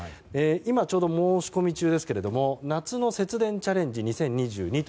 今ちょうど申し込み中ですけど夏の節電チャレンジ２０２２。